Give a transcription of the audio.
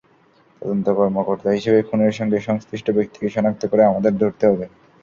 তদন্ত কর্মকর্তা হিসেবে খুনের সঙ্গে সংশ্লিষ্ট ব্যক্তিকে শনাক্ত করে আমাদের ধরতে হবে।